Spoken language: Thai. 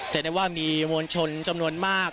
จะได้ว่ามีมวลชนจำนวนมาก